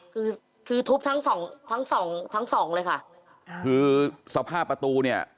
คือคือทุบทั้งสองทั้งสองทั้งสองเลยค่ะคือสภาพประตูเนี่ย